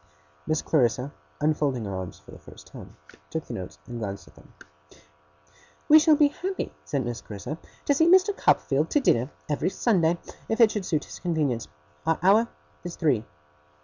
Miss Clarissa, unfolding her arms for the first time, took the notes and glanced at them. 'We shall be happy,' said Miss Clarissa, 'to see Mr. Copperfield to dinner, every Sunday, if it should suit his convenience. Our hour is three.